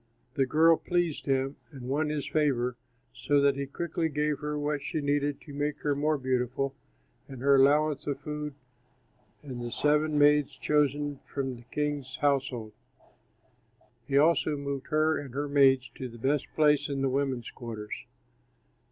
The girl pleased him and won his favor, so that he quickly gave her what she needed to make her more beautiful and her allowance of food and the seven maids chosen from the king's household. He also moved her and her maids to the best place in the women's quarters.